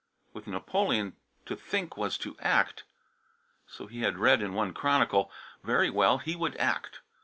"With Napoleon, to think was to act." So he had read in one chronicle. Very well, he would act.